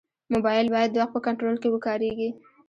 موبایل باید د وخت په کنټرول کې وکارېږي.